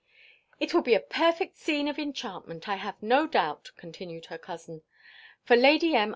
"It will be a perfect scene of enchantment, I have no doubt," continued her cousin, "for Lady M.